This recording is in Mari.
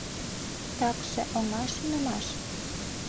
Такше оҥай шонымаш.